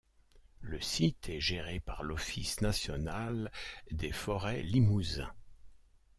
Le site est géré par l'Office national des forêts-Limousin.